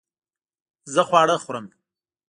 زه خواړه خورم